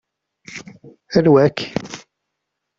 Anwa-k?